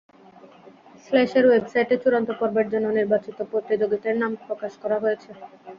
স্ল্যাশের ওয়েবসাইটে চূড়ান্ত পর্বের জন্য নির্বাচিত প্রতিযোগীদের নাম প্রকাশ করা হয়েছে।